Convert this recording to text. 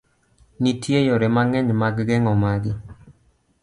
Nitie yore mang'eny mag geng'o magi.